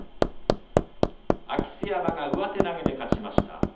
明瀬山が上手投げで勝ちました。